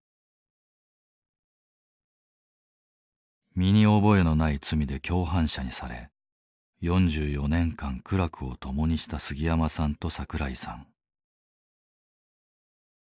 身に覚えのない罪で共犯者にされ４４年間苦楽を共にした杉山さんと桜井さん。